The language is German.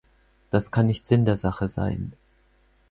Das kann nicht Sinn der Sache sein.